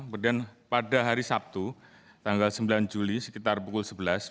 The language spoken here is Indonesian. kemudian pada hari sabtu tanggal sembilan juli sekitar pukul sebelas